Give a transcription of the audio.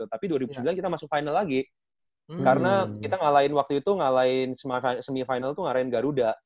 tapi tahun dua ribu sembilan kita masuk final lagi karena kita ngalahin waktu itu semifinal itu ngalahin garuda